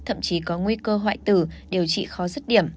thậm chí có nguy cơ hoại tử điều trị khó rất điểm